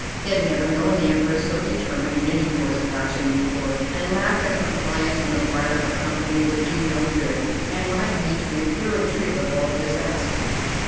He had never known the Emperor so determined in any course of action before, and lack of compliance on the part of our company would do no good, and might lead to irretrievable disaster.